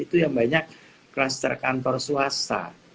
itu yang banyak kluster kantor swasta